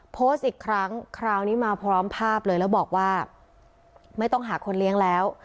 โพสต์อีกครั้งคราวนี้มาพร้อมภาพเลยแล้วบอกว่าไม่ต้องหาคนเลี้ยงแล้ว